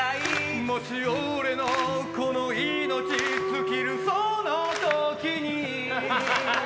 もし俺のこの命尽きるその時に